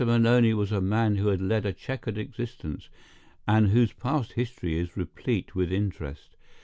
Maloney was a man who had led a checkered existence, and whose past history is replete with interest.